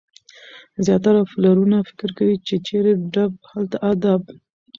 زیاتره پلرونه فکر کوي، چي چيري ډب هلته ادب.